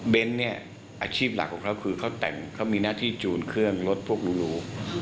เนี่ยอาชีพหลักของเขาคือเขาแต่งเขามีหน้าที่จูนเครื่องรถพวกหรู